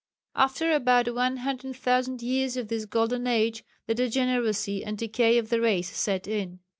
After about 100,000 years of this golden age the degeneracy and decay of the race set in.